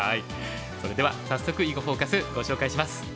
それでは早速「囲碁フォーカス」ご紹介します。